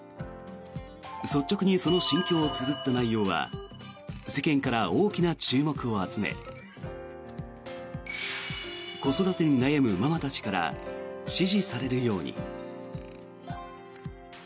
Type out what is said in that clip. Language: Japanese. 率直にその心境をつづった内容は世間から大きな注目を集め子育てに悩むママたちから支持されるように。